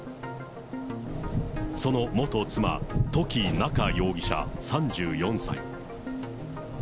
その元妻、土岐菜夏容疑者３４歳。